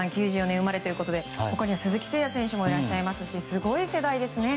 ９４年生まれということで他には鈴木誠也選手もいらっしゃいますしすごい世代ですね。